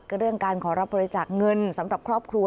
เรื่องการขอรับบริจาคเงินสำหรับครอบครัว